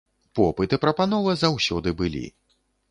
Попыт і прапанова заўсёды былі.